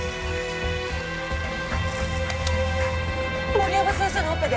森山先生のオペで？